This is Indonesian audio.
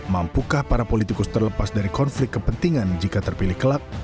mampukah para politikus terlepas dari konflik kepentingan jika terpilih kelak